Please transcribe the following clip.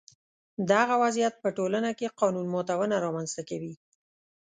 دغه وضعیت په ټولنه کې قانون ماتونه رامنځته کوي.